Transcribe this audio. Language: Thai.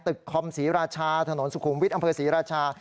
คอมศรีราชาถนนสุขุมวิทย์อำเภอศรีราชา